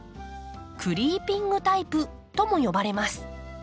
「クリーピングタイプ」とも呼ばれます。